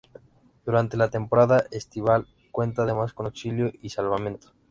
Durante la temporada estival cuenta además con auxilio y salvamento.